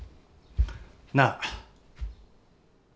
なあ。